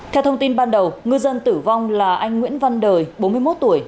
theo thông tin ban đầu ngư dân tử vong là anh nguyễn văn đời bốn mươi một tuổi